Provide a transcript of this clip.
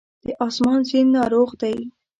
د آسمان سیند ناروغ دی